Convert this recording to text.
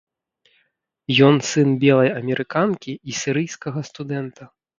Ён сын белай амерыканкі і сірыйскага студэнта.